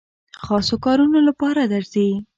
خاصو کارونو لپاره درځي.